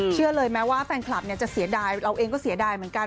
เชื่อเลยแม้ว่าแฟนคลับจะเสียดายเราเองก็เสียดายเหมือนกัน